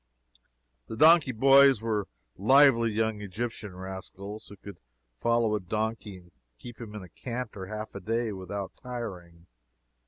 The donkey boys were lively young Egyptian rascals who could follow a donkey and keep him in a canter half a day without tiring.